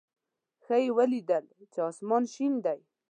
ښه یې ولېده چې اسمان شین دی.